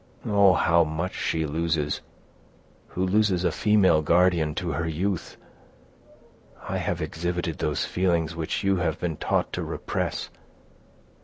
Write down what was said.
Oh! how much she loses, who loses a female guardian to her youth. I have exhibited those feelings which you have been taught to repress.